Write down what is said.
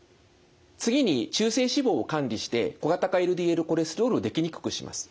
次に中性脂肪を管理して小型化ＬＤＬコレステロールをできにくくします。